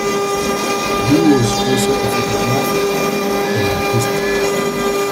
He was also a photographer and artist.